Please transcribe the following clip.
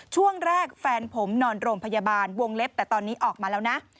ช่วงแรกแฟนผมนอนโรงพยาบาลวงเล็บแต่ตอนนี้ออกมาแล้วนะ